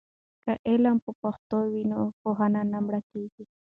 که علم په پښتو وي نو پوهه نه مړکېږي.